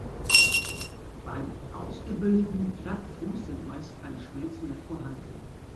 Beim ausgebildeten Plattfuß sind meist keine Schmerzen mehr vorhanden.